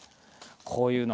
こういうの。